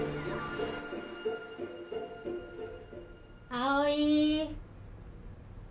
葵。